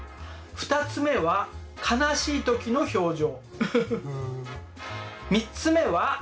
３つ目は楽しい時の表情。